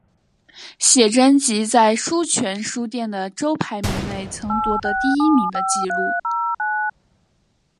写真集在书泉书店的周排名内曾夺得第一名的纪录。